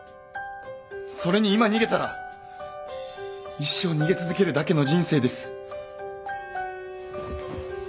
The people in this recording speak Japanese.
それに今逃げたら一生逃げ続けるだけの人生です。